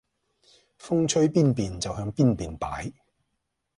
風吹邊便就向住邊便擺